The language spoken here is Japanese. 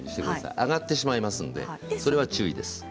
揚がってしまうのでそれは注意です。